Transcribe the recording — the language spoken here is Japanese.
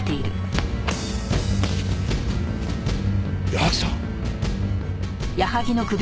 矢萩さん！？